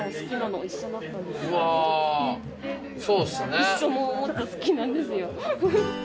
一緒のおもちゃ好きなんですよ。